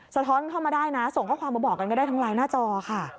สะท้อนเข้ามาได้นะส่งข้อความมาบอกกันก็ได้ทางไลน์หน้าจอค่ะ